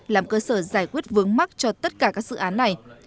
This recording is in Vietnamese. làm cơ sở giải quyết vướng mắt cho tất cả các dự án này